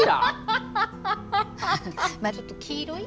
ちょっと黄色い？